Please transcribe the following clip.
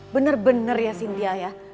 bener bener ya sintia ya